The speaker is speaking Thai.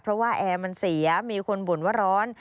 เพราะว่าแอร์มันเสียมีคนบ่นว่าร้อน